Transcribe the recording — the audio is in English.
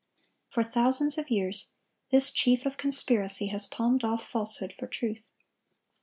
For thousands of years this chief of conspiracy has palmed off falsehood for truth.